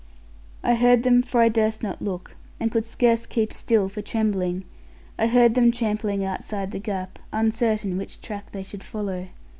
I heard them, for I durst not look; and could scarce keep still for trembling I heard them trampling outside the gap, uncertain which track they should follow.